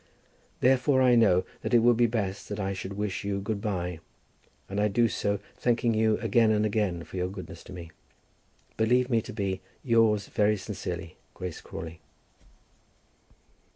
Therefore I know that it will be best that I should wish you good by, and I do so, thanking you again and again for your goodness to me. Believe me to be, Yours very sincerely, GRACE CRAWLEY.